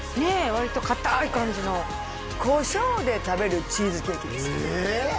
わりとかたい感じのコショウで食べるチーズケーキですえっ！